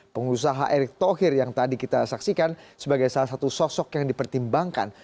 pengusaha erick thohir yang tadi kita saksikan sebagai salah satu sosok yang dipertimbangkan